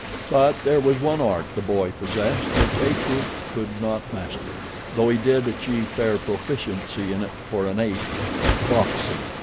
But there was one art the boy possessed which Akut could not master, though he did achieve fair proficiency in it for an ape—boxing.